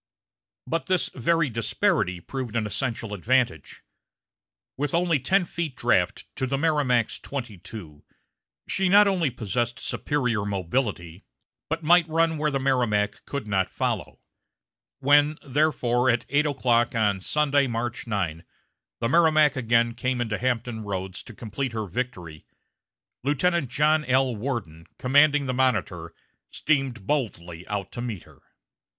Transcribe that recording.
But this very disparity proved an essential advantage. With only ten feet draft to the Merrimac's twenty two, she not only possessed superior mobility, but might run where the Merrimac could not follow. When, therefore, at eight o'clock on Sunday, March 9, the Merrimac again came into Hampton Roads to complete her victory, Lieutenant John L. Worden, commanding the Monitor, steamed boldly out to meet her.